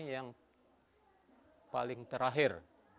yang paling terakhir